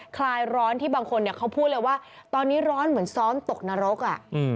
คลายร้อนที่บางคนเขาพูดเลยว่าตอนนี้ร้อนเหมือนซ้อมตกนรก